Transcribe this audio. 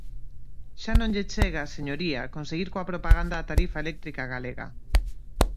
Xa non lle chega, señoría, con seguir coa propaganda da tarifa eléctrica galega.